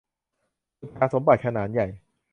ขุดหาสมบัติขนานใหญ่